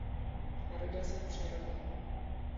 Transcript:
Narodil se v Přerově.